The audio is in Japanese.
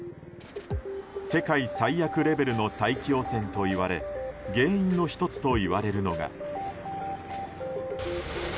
世界最悪レベルの大気汚染といわれ原因の１つといわれるのが。